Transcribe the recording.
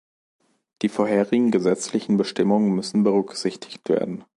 Die vorherigen gesetzlichen Bestimmungen müssen berücksichtigt werden.